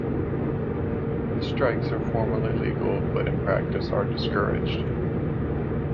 Strikes are formally legal, but in practice are discouraged.